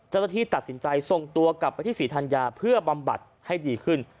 เจ้าหน้าที่ตัดสินใจส่งตัวกลับไปที่ศรีธัญญาเพื่อบำบัดให้ดีขึ้น